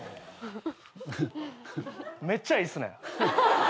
めっちゃいいっすね。